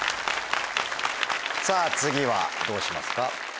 さぁ次はどうしますか？